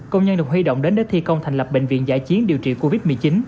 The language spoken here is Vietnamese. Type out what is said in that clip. công nhân được huy động đến để thi công thành lập bệnh viện giải chiến điều trị covid một mươi chín